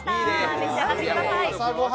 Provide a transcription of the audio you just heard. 召し上がってください。